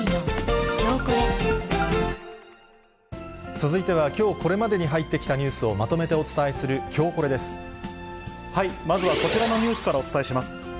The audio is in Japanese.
続いては、きょうこれまでに入ってきたニュースをまとめてお伝えする、まずはこちらのニュースからお伝えします。